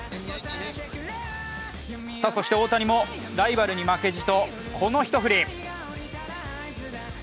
大谷もライバルに負けじとこの一振り。